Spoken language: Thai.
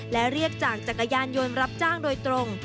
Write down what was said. และเรียกจากจักรยานยนต์รับจ้างโดยตรง